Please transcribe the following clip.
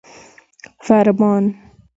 فرمان